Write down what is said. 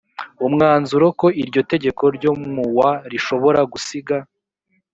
umwanzuro ko iryo tegeko ryo mu wa rishobora gusiga